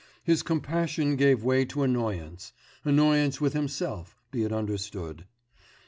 His compassion gave way to annoyance annoyance with himself, be it understood.